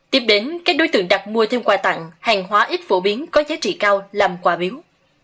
tiếp đến các đối tượng đặt mua thêm quà tặng hàng hóa ít phổ biến có giá trị cao làm quà biếu